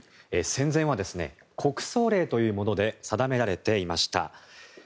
戦前は国葬令というもので定められていました。